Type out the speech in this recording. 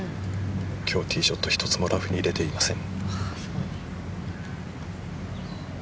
今日、ティーショット１つもラフに入れていません。